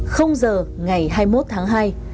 không giờ ngày hai mươi một tháng hai